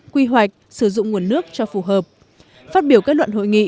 quy hoạch sử dụng nguồn nước cho phù hợp phát biểu kết luận hội nghị